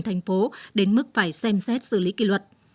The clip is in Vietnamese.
thành phố đến mức phải xem xét xử lý kỷ luật